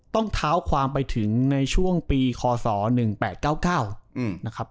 ต้องเท้าความไปถึงในช่วงปีคศ๑๘๙๙นะครับ